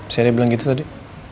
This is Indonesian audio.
si ada yang bilang gitu tadi